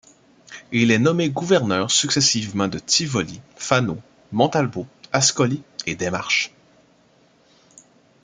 Il est nommé gouverneur successivement de Tivoli, Fano, Montalbo, Ascoli et des Marches.